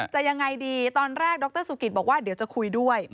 จะยังไงดีตอนแรกดรสุกิตบอกว่าเดี๋ยวจะคุยด้วย